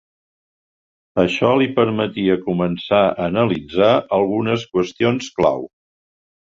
Això li permetia començar a analitzar algunes qüestions clau: